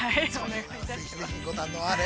◆ぜひぜひご堪能あれ。